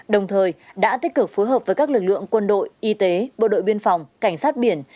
đồng thời đã tích cực phối hợp với các lực lượng quân đội y tế bộ đội biên phòng cảnh sát biển